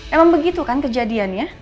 emang begitu kan kejadiannya